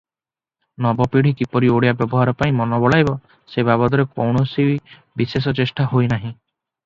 ନବପିଢ଼ି କିପରି ଓଡ଼ିଆ ବ୍ୟବହାର ପାଇଁ ମନ ବଳାଇବେ ସେ ବାବଦରେ କୌଣସି ବିଶେଷ ଚେଷ୍ଟା ହୋଇନାହିଁ ।